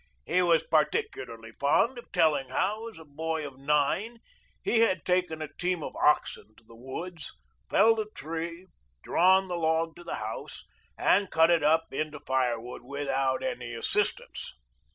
He was particularly fond of telling how, as a boy of nine, he had taken a team of oxen to the woods, felled a tree, drawn the log to the house, and cut it up into firewood without any assistance.